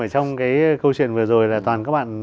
trong cái câu chuyện vừa rồi là toàn các bạn